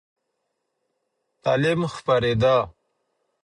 تعلیم خپرېده.